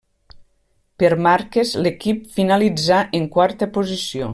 Per marques l'equip finalitzà en quarta posició.